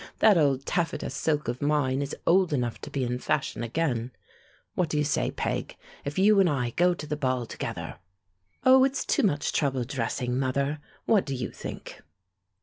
That old taffeta silk of mine is old enough to be in fashion again. What do you say, Peg, if you and I go to the ball together ..." "Oh, it's too much trouble dressing, mother. What do you think?"